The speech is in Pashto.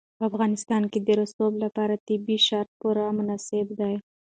په افغانستان کې د رسوب لپاره طبیعي شرایط پوره مناسب دي.